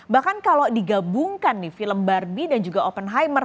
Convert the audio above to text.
bahkan kalau digabungkan nih film barbie dan juga open hymer